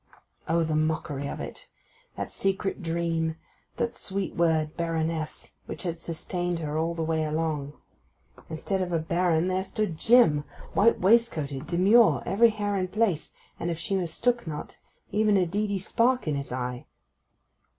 O, the mockery of it! That secret dream—that sweet word 'Baroness!'—which had sustained her all the way along. Instead of a Baron there stood Jim, white waistcoated, demure, every hair in place, and, if she mistook not, even a deedy spark in his eye.